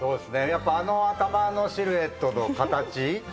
やっぱあの頭のシルエットと形？